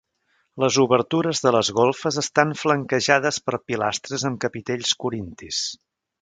Les obertures de les golfes estan flanquejades per pilastres amb capitells corintis.